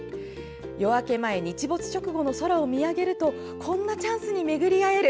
夜明け前、日没直後の空を見上げるとこんなチャンスに巡り合える。